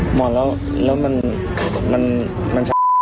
หมอแล้วแล้วมันมันมันชาวเป็นไหม